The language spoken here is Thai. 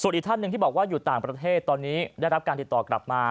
อีกท่านหนึ่งที่บอกว่าอยู่ต่างประเทศตอนนี้ได้รับการติดต่อกลับมา